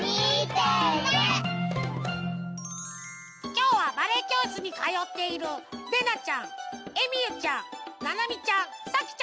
きょうはバレエきょうしつにかよっているれなちゃんえみゆちゃんななみちゃんさきちゃんです！